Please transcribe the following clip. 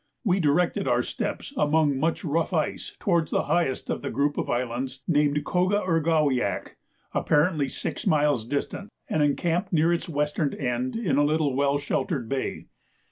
We directed our steps among much rough ice towards the highest of the group of islands named Coga ur ga wiak, apparently six miles distant, and encamped near its western end in a little well sheltered bay.